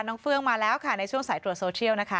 เฟื่องมาแล้วค่ะในช่วงสายตรวจโซเชียลนะคะ